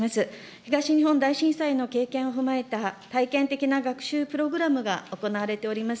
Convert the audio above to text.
東日本大震災の経験を踏まえた体験的な学習プログラムが行われております